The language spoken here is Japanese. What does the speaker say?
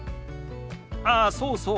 ああそうそう。